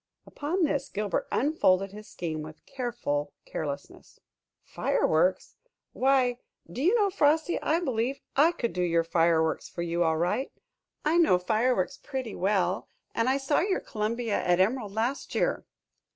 Upon this, Gilbert unfolded his scheme with a careful carelessness. "Fireworks? Why, do you know, Frosty, I believe I could do your fireworks for you all right. I know fireworks pretty well, and I saw your 'Columbia' at Emerald last year."